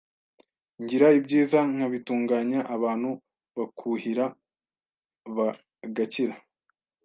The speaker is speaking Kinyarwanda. ngira ibyizi nkabitunganya abantu bakuhira, bagakira